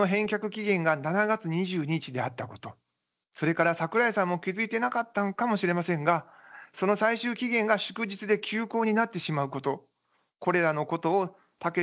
それから桜井さんも気付いていなかったのかもしれませんがその最終期限が祝日で休講になってしまうこと。